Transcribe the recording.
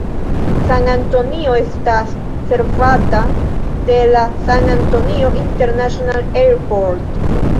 San-Antonio estas servata de la San Antonio International Airport.